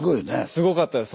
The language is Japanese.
すごかったです。